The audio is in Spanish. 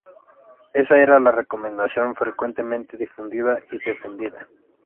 Esa era la recomendación frecuentemente difundida y defendida.